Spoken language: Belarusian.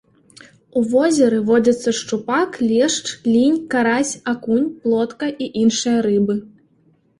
У возеры водзяцца шчупак, лешч, лінь, карась, акунь, плотка і іншыя рыбы.